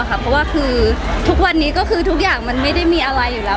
เพราะว่าทุกอย่างไม่ได้มีอะไรแล้ว